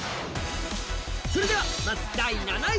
それではまず第７位。